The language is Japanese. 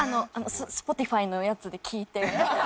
Ｓｐｏｔｉｆｙのやつで聞いて。